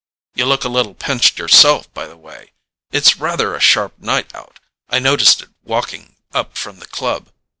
You look a little pinched yourself, by the way: it's rather a sharp night out. I noticed it walking up from the club.